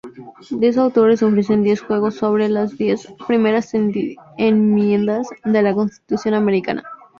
Diez autores ofrecen diez juegos sobre las diez primeras enmiendas de la constitución americana.